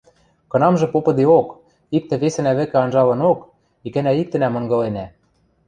Кынамжы попыдеок, иктӹ-весӹна вӹкӹ анжалынок, икӓнӓ-иктӹнӓм ынгыленӓ...